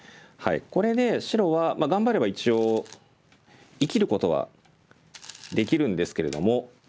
これで白は頑張れば一応生きることはできるんですけれども。